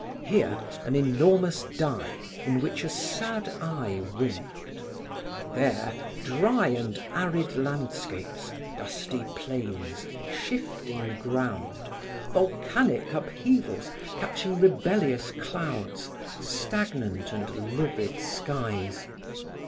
Here, an enormous die in which a sad eye winked; there, dry and arid landscapes, dusty plains, shifting ground, volcanic upheavals catching rebellious clouds, stagnant and livid skies.